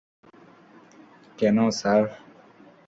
কেন, স্যার?